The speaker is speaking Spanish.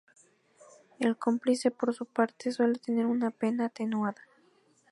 El cómplice, por su parte, suele tener una pena atenuada.